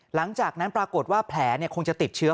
หลังจากนั้นปรากฏว่าแผลคงจะติดเชื้อ